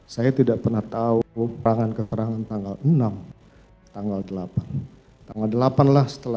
saya tidak pernah tahu perangan keperangan tanggal enam tanggal delapan